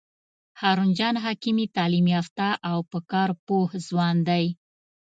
هارون جان حکیمي تعلیم یافته او په کار پوه ځوان دی.